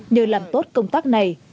nhờ làm tốt công tác này